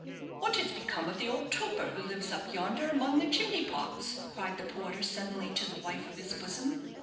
"What has become of the old toper who lives up yonder among the chimney pots?" cried the porter, suddenly, to the wife of his bosom.